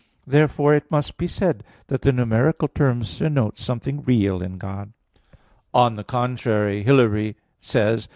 Therefore it must be said that the numeral terms denote something real in God. On the contrary, Hilary says (De Trin.